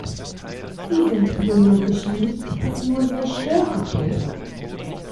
Sie sind biologisch nicht bis nur sehr schwer abbaubar.